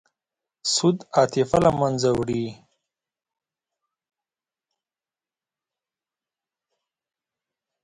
سود عاطفه له منځه وړي.